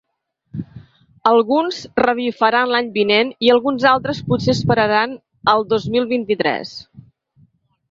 Alguns revifaran l’any vinent i alguns altres potser esperaran al dos mil vint-i-tres.